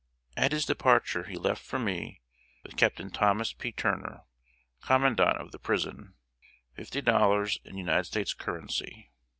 At his departure, he left for me, with Captain Thomas P. Turner, commandant of the prison, fifty dollars in United States currency.